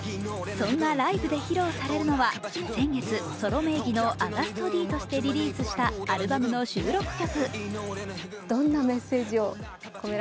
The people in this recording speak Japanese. そんなライブで披露されるのは、先月、ソロ名義のＡｇｕｓｔＤとしてリリースしたアルバムの収録曲。